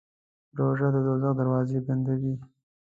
روژه د دوزخ دروازې بندوي.